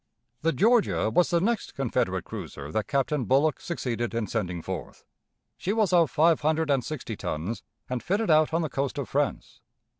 The Georgia was the next Confederate cruiser that Captain Bullock succeeded in sending forth. She was of five hundred and sixty tons, and fitted out on the coast of France.